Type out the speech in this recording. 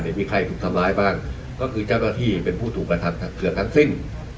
เดี๋ยวมีใครถูกทำร้ายบ้างก็คือเจ้าหน้าที่เป็นผู้ถูกกระทำเกือบทั้งสิ้น